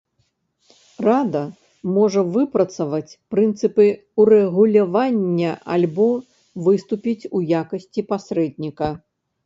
Рада можа выпрацаваць прынцыпы ўрэгулявання альбо выступіць у якасці пасрэдніка.